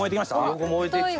横燃えてきた。